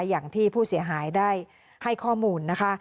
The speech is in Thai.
อย่างที่ผู้เสียหายได้ให้ข้อมูลนะคะ